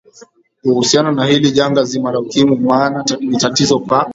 kuhusiana na hili janga zima la ukimwi maana ni tatizo ka